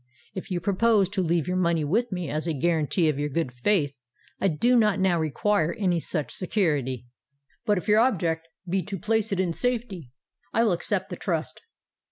"If you propose to leave your money with me as a guarantee of your good faith, I do not now require any such security: but if your object be to place it in safety, I will accept the trust."